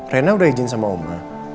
rena udah izin sama oma